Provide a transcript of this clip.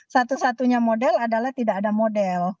satu satunya model adalah tidak ada model